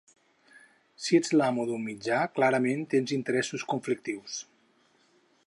Si ets l’amo d’un mitjà clarament tens interessos conflictius.